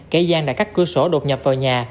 cây giang đã cắt cửa sổ đột nhập vào nhà